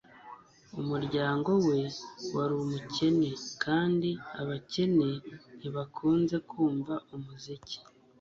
Umuryango we wari umukene kandi abakene ntibakunze kumva umuziki